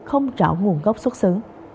không rõ nguồn gốc xuất xứ